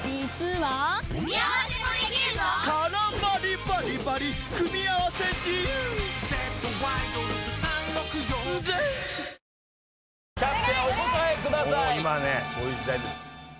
もう今はねそういう時代です。